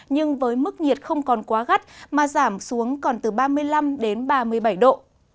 nhưng với mức nhiệt không còn quá gắt mà giảm xuống còn từ ba mươi năm đến ba mươi bảy độ